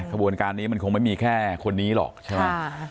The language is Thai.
ขบวนการนี้มันคงไม่มีแค่คนนี้หรอกใช่ไหม